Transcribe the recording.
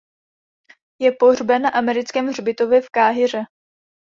Je pohřben na Americkém hřbitově v Káhiře.